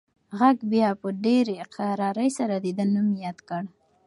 غږ بیا په ډېره کرارۍ سره د ده نوم یاد کړ.